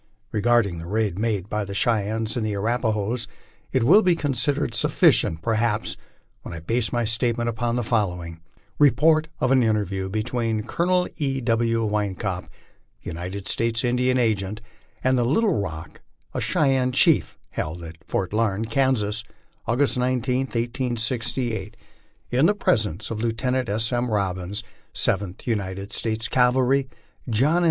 Regarding the raid made by the Cheyennes and Arapa hoes, it will be considered sufficient perhaps when I base my statements upon the following " Report of an interview between Colonel E. W. Wynkoop, United States Indian Agent, and Little Rock, a Cheyenne chief, held at Fort Larned, Kansas, August 19, 1868, in the presence of Lieutenant S. M. Robbins, Seventh United States Cavalry, John S.